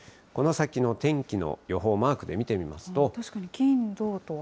この先の天気の予報、マークで見てみますと。